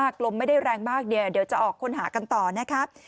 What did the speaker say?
ลมไม่ได้แรงมากเนี่ยเดี๋ยวจะออกค้นหากันต่อนะครับ